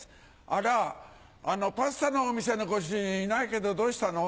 あらパスタのお店のご主人いないけどどうしたの？